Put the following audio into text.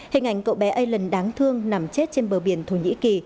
hình ảnh cậu bé iloan đáng thương nằm chết trên bờ biển thổ nhĩ kỳ